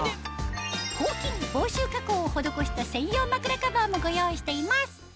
抗菌防臭加工を施した専用まくらカバーもご用意しています